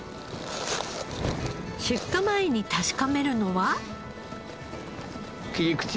出荷前に確かめるのは？